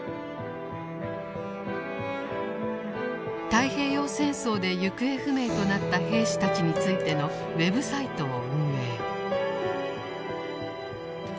太平洋戦争で行方不明となった兵士たちについてのウェブサイトを運営。